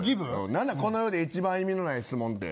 何や、この世で一番意味のない質問って。